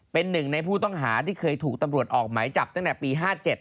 เป็นหนึ่งในผู้ต้องหาที่เคยถูกตำรวจออกหมายจับตั้งแต่ปี๕๗